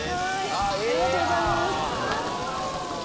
ありがとうございます。